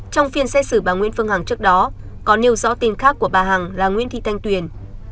trong phiên xét xử bà nguyễn phương hằng trước đó có nêu rõ tên khác của bà hằng là nguyễn thị thanh tuyền